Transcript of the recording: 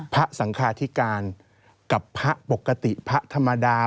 พระสังคาธิการกับพระปกติพระธรรมดา